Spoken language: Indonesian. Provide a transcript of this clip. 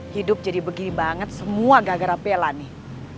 hidup jadi begini banget semua gagara pela nih